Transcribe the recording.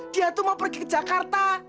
dia tuh mau pergi ke jakarta